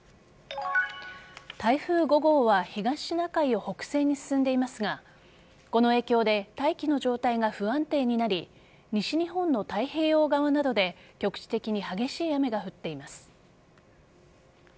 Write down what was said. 台風５号は東シナ海を北西に進んでいますがこの影響で大気の状態が不安定になり西日本の太平洋側などで局地的に激しい雨が降っています。